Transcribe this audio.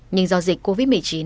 nhưng do dịch covid một mươi chín